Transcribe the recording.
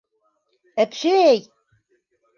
Әпшәй!